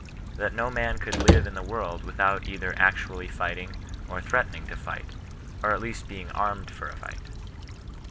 That no man could live in the world without either actually fighting, or ihreaUning to fight, or at least being armed for a fight.